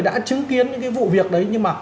đã chứng kiến những cái vụ việc đấy nhưng mà